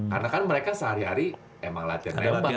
karena kan mereka sehari hari emang latihan nembak